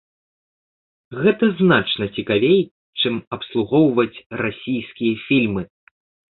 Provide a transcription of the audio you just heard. Гэта значна цікавей, чым абслугоўваць расійскія фільмы.